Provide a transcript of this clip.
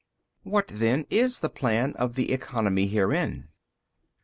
|291 B. What then is the plan of the Economy herein?